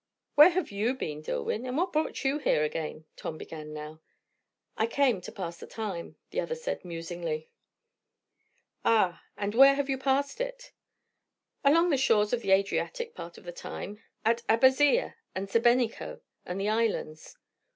"Where have you been, Dillwyn? and what brought you here again?" Tom began now. "I came to pass the time," the other said musingly. "Ah! And where have you passed it?" "Along the shores of the Adriatic, part of the time. At Abazzia, and Sebenico, and the islands."